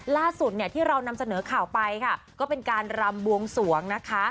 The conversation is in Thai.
ล่าสุดเนี่ยที่เรานำเสนอข่าวไปค่ะก็เป็นการรำบวงสวงนะคะ